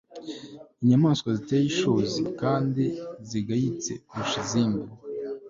inyamaswa ziteye ishozi kandi zigayitse kurusha izindi